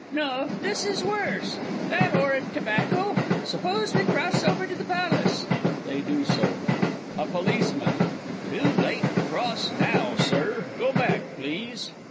No, this is worse that horrid tobacco! Suppose we cross over to the Palace? [They do so. A POLICEMAN. Too late to cross now, Sir go back, please.